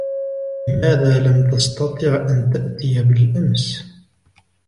لماذا لم تسطيع أن تأتي بالأمس؟